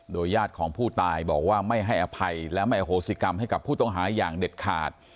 ญาติของผู้ตายบอกว่าไม่ให้อภัยและไม่อโหสิกรรมให้กับผู้ต้องหาอย่างเด็ดขาด